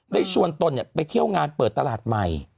ได้ชวนตนไปเที่ยวงานเปิดตลาดใหม่